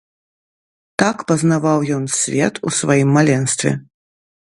Так пазнаваў ён свет у сваім маленстве.